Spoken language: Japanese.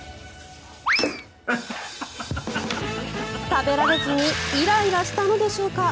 食べられずにイライラしたのでしょうか。